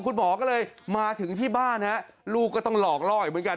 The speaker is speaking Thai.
คุณหมอก็เลยมาถึงที่บ้านฮะลูกก็ต้องหลอกล่ออีกเหมือนกัน